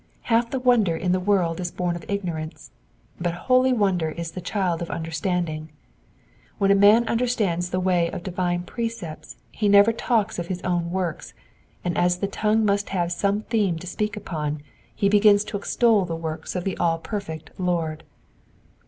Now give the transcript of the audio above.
Half the wonder in the world is bom of ignorance, but holy wonder is the child of understanding. When a man understands the way of the divine precepts he never talks of his own works, and as the tongue must have some theme to speak upon, he begins to extol the works of the all perfect Lord.